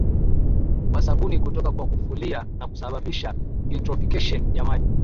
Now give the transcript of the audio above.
kwa sabuni kutoka kwa kufulia na kusababisha eutrophication ya maji